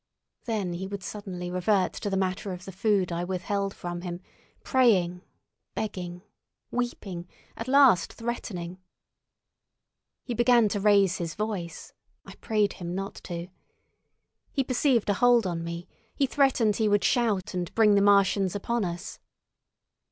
Then he would suddenly revert to the matter of the food I withheld from him, praying, begging, weeping, at last threatening. He began to raise his voice—I prayed him not to. He perceived a hold on me—he threatened he would shout and bring the Martians upon us.